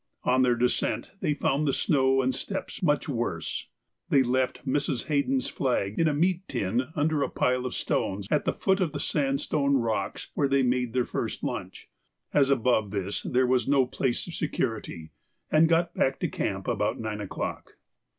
On their descent they found the snow and steps much worse. They left Mrs. Haydon's flag in a meat tin under a pile of stones at the foot of the sandstone rocks where they made their first lunch, as above this there was no place of security, and got back to camp about nine o'clock.